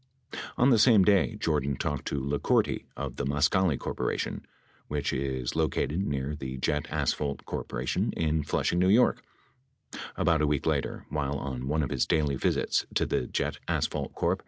On the same day, Jordan talked to Licourti, of the Mascali Corp., which is located near the Jet Asphalt Corp. in Flushing, N.Y. About a week later, while on one of his daily visits to the Jet Asphalt Corp.